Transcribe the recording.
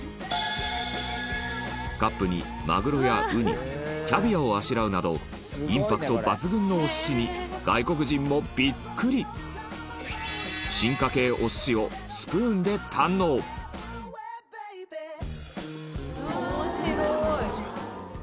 カップに、マグロやウニキャビアをあしらうなどインパクト抜群のお寿司に外国人もビックリ面白い！